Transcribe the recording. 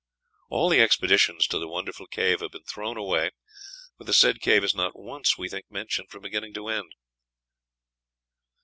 "All the expeditions to the wonderful cave have been thrown away, for the said cave is not once, we think, mentioned from beginning to end."